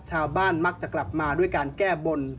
ชาวบ้านมักจะกลับมาด้วยการแก้บน